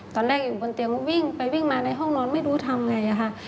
ตอนแรกอยู่บนเตียงก็วิ่งไปวิ่งมาในห้องนอนไม่รู้ทำไงค่ะ